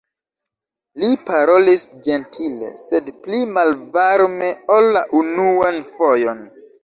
Li parolis ĝentile, sed pli malvarme ol la unuan fojon.